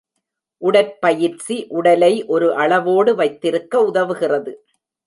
உடற்பயிற்சி உடலை ஒரு அளவோடு வைத்திருக்க உதவுகிறது.